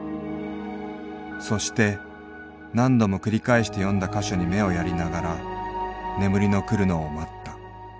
そして何度も繰りかえして読んだ箇所に眼をやりながら眠りのくるのを待った。